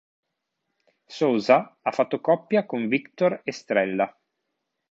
Souza ha fatto coppia con Víctor Estrella.